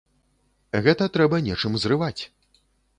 Гэта трэба нечым зрываць.